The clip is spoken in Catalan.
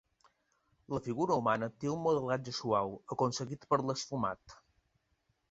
La figura humana té un modelatge suau aconseguit per l'esfumat.